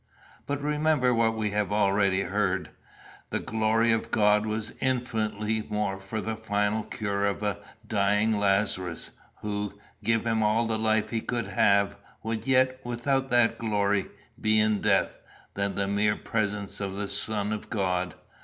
But remember what we have already heard. The glory of God was infinitely more for the final cure of a dying Lazarus, who, give him all the life he could have, would yet, without that glory, be in death, than the mere presence of the Son of God.